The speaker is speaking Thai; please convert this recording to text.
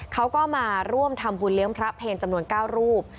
เขาก็มาร่วมทำบุญเลี้ยงพระเพลจำนวน๙รูป